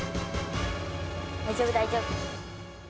大丈夫大丈夫。